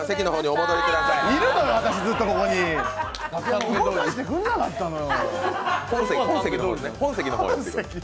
動かしてくれなかったのよ。